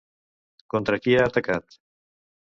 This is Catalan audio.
Contra qui ha atacat?